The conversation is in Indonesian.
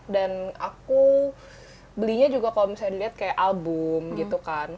dan aku belinya juga kalau misalnya dilihat kayak album gitu kan